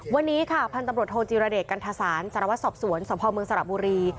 วันนี้ค่ะพันธุ์ตำรวจโทจิรเดชกันทศาลสารวัตรสอบสวนสพเมืองสระบุรี